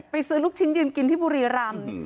ซื้อลูกชิ้นยืนกินที่บุรีรำ